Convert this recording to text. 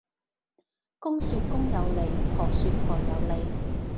公說公有理，婆說婆有理